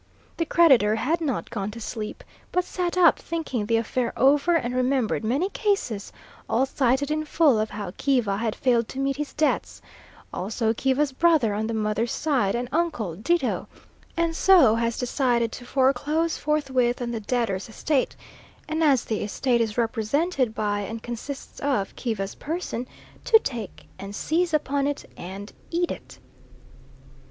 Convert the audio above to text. The creditor had not gone to sleep; but sat up thinking the affair over and remembered many cases, all cited in full, of how Kiva had failed to meet his debts; also Kiva's brother on the mother's side and uncle ditto; and so has decided to foreclose forthwith on the debtor's estate, and as the estate is represented by and consists of Kiva's person, to take and seize upon it and eat it.